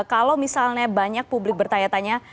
kalau misalnya banyak publik bertanya tanya